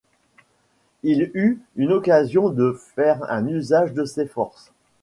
Il eut une occasion de faire un usage de ses forces.